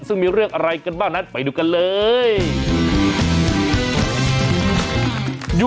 ซึ่งมีเรื่องอะไรกันบ้างนั้นไปดูกันเลย